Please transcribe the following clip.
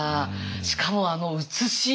しかもあの写し。